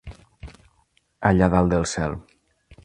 Allà dalt del cel.